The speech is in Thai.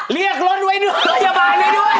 เรียกรถไว้ด้วยบรรยาบายได้ด้วย